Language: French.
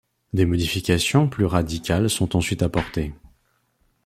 Des modifications plus radicales sont ensuite apportées.